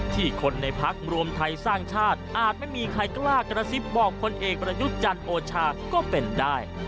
คนในพักรวมไทยสร้างชาติอาจไม่มีใครกล้ากระซิบบอกพลเอกประยุทธ์จันทร์โอชาก็เป็นได้